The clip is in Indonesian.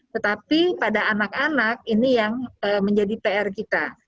tetapi pada anak anak ini yang menjadi pr kita